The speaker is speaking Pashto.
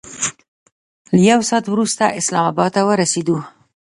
له یو ساعت وروسته اسلام اباد ته ورسېدو.